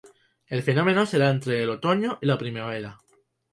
El fenómeno se da entre el otoño y la primavera.